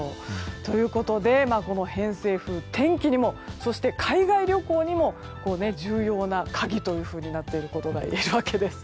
ということでこの偏西風、天気にもそして海外旅行にも重要な鍵となっていることがいえるわけです。